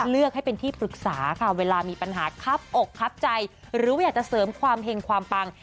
เลือกให้เป็นที่ปรึกษาค่ะเวลามีปัญหาคับอกครับใจหรือว่าอยากจะเสริมความเห็งความปัง